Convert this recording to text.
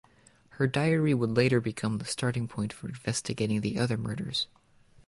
Her diary would later become the starting point for investigating the other murders.